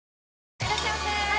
いらっしゃいませ！